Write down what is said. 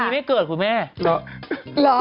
ไม่เคยเจอใครเหลว